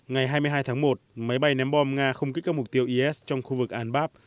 ngày hai mươi hai tháng một máy bay ném bom nga không kích các mục tiêu is trong khu vực albab